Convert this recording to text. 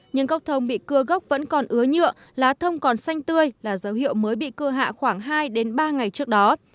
nhưng góc thông bị cưa góc vẫn còn ứa nhựa lá thông còn xanh tươi là dấu hiệu mới bị cưa hạ khoảng hai ba ngày trước đó